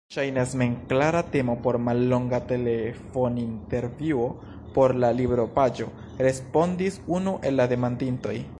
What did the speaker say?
Ŝajnas memklara temo por mallonga telefonintervjuo por la libropaĝo, respondis unu el la demanditoj.